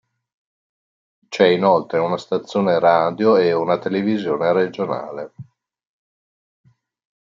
C'è inoltre una stazione radio e una televisione regionale.